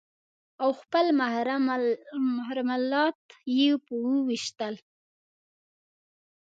او خپل محرم الات يې په وويشتل.